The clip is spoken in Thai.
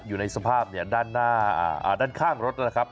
อยู่ในสภาพเนี่ยด้านข้างรถนะครับ